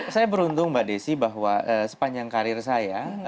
saya beruntung mbak desi bahwa sepanjang karir saya